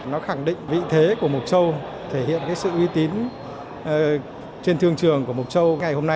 nó khẳng định vị thế của mộc châu thể hiện cái sự uy tín trên thương trường của mộc châu